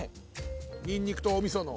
ニンニクとおみその。